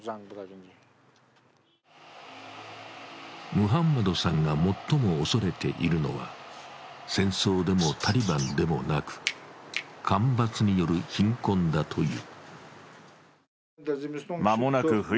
ムハンマドさんが最も恐れているのは戦争でもタリバンでもなく、干ばつによる貧困だという。